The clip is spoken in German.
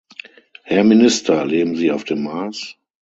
Herr Minister, leben Sie auf dem Mars?